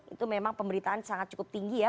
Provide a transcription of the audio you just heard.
itu memang pemberitaan sangat cukup tinggi ya